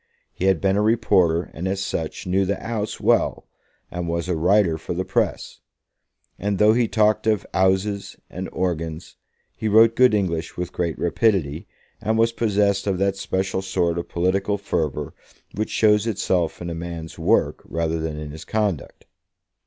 He had been a reporter, and as such knew the "'Ouse" well, and was a writer for the press. And, though he talked of "'Ouses" and "horgans", he wrote good English with great rapidity, and was possessed of that special sort of political fervour which shows itself in a man's work rather than in his conduct.